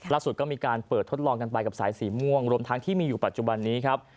ก็มีการเปิดทดลองกันไปกับสายสีม่วงรวมทั้งที่มีอยู่ปัจจุบันนี้ครับ